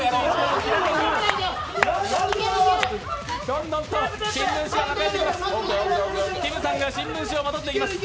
どんどんと新聞紙が巻かれていきます。